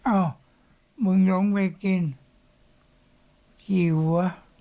เอ้ามึงลงไปกินขี้หัว